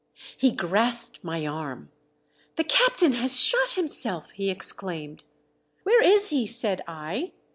He grasped my arm. "The captain has shot himself!" he exclaimed. "Where is he?" said I.